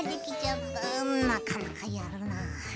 うんなかなかやるなあ。